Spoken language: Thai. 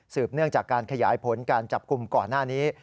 เนื่องจากการขยายผลการจับกลุ่มก่อนหน้านี้